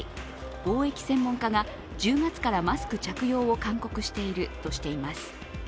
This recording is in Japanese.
防疫専門家が１０月からマスク着用を勧告しているとしています。